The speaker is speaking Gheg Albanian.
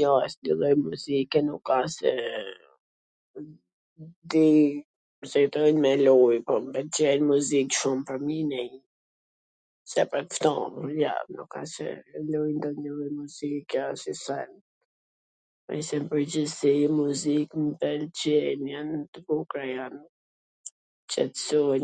Jo, asnjw lloj muzike nuk as qw ... di, se don me luj, po m pwlqen muzik shum familje ... jo nuk luj nonjw lloj muzike asnjw send ... nw pwrgjithsi muzik m pwlqen, jan t bukra jan, t qetsojn...